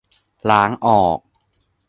ล้างออก